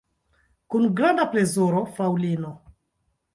Kun granda plezuro, fraŭlino!